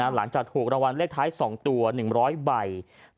หลังจากถูกรางวัลเลขท้าย๒ตัว๑๐๐ใบ